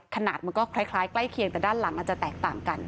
ขนาดมันก็คล้ายใกล้เคียงแต่ด้านหลังอาจจะแตกต่างกัน